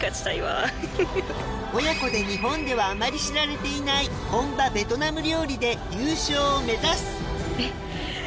親子で日本ではあまり知られていない本場ベトナム料理で優勝を目指す！